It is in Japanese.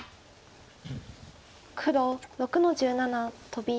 黒６の十七トビ。